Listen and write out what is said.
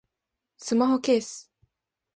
スマホケース